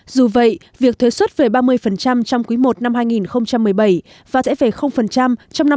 dù vậy việc thuế suất về ba mươi trong quý i năm hai nghìn một mươi bảy và rẽ về trong năm hai nghìn một mươi tám